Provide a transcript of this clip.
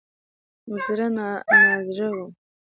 زړه نازړه وم.